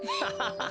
ハハハ。